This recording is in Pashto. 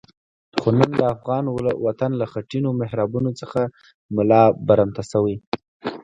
خو نن د افغان وطن له خټینو محرابونو څخه ملا برمته شوی.